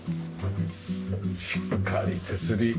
しっかり手すり。